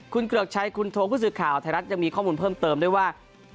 คุณเกริกชัยคุณโทผู้สื่อข่าวไทยรัฐยังมีข้อมูลเพิ่มเติมด้วยว่า